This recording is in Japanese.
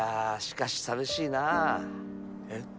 しかし寂しいなえっ？